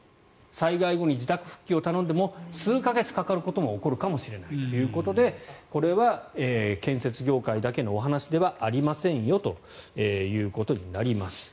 災害後に自宅復旧を頼んでも数か月かかることも起こるかもしれないということでこれは建設業界だけのお話ではありませんよということになります。